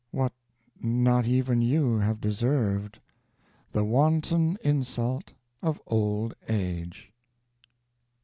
"What not even you have deserved: the wanton insult of Old Age."